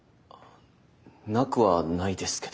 なくはないですけど。